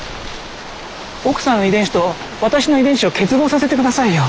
奥さんの遺伝子と私の遺伝子を結合させてくださいよ。